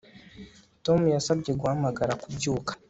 Tom yasabye guhamagara kubyuka